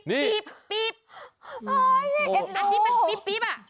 อันนี้เป็นปีบอ่ะ